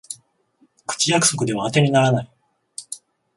口約束ではあてにならない